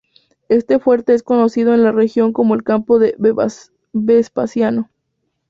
Este fuerte es conocido en la región como el "campo de Vespasiano".